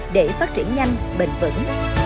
để phát triển nhanh bền vững